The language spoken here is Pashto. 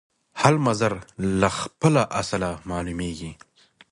هر مضر له خپله اصله معلومیږي